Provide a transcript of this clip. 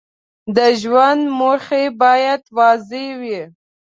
د ژوند موخې باید واضح وي.